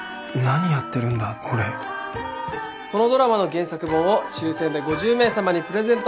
このドラマの原作本を抽選で５０名様にプレゼント。